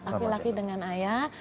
laki laki dengan ayah